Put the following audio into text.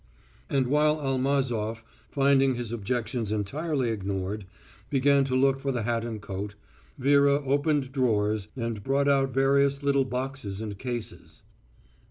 And while Almazof, finding his objections entirely ignored, began to look for the hat and coat, Vera opened drawers and brought out various little boxes and cases.